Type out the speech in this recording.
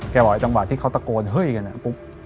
บอกไอจังหวะที่เขาตะโกนเฮ้ยกันปุ๊บ